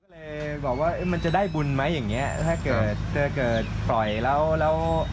ก็เลยบอกว่ามันจะได้บุญไหมอย่างเงี้ยถ้าเกิดเกิดปล่อยแล้วแล้ว